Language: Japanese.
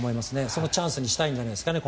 そのチャンスにしたいんじゃないですかね